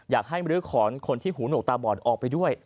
อยากให้มรื้อขอนคนที่หูหนกตาบอดออกไปด้วย